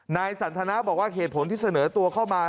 นายสันทนาบอกว่าเหตุผลที่เสนอตัวเข้ามา